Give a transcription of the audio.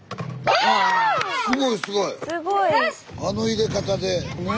あの入れ方で。ね。